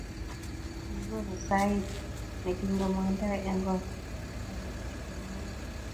kikikonu sait ne kimong'doi eng' koot ak ne kichutei eng' emet